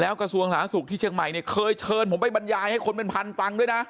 กระทรวงสาธารณสุขที่เชียงใหม่เนี่ยเคยเชิญผมไปบรรยายให้คนเป็นพันฟังด้วยนะ